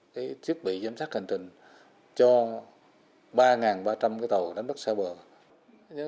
cái thiết bị giám sát hành trình cho ba ba trăm linh cái tàu đánh bắt xa bờ